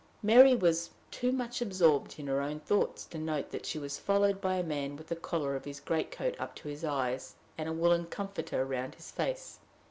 Mary was too much absorbed in her own thoughts to note that she was followed by a man with the collar of his great coat up to his eyes, and a woolen comforter round his face.